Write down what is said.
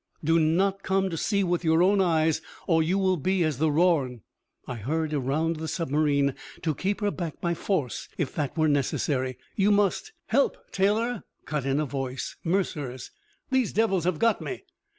"Do not come to see with your own eyes, or you will be as the Rorn!" I hurried around the submarine, to keep her back by force, if that were necessary. "You must " "Help, Taylor!" cut in a voice Mercer's. "These devils have got me!"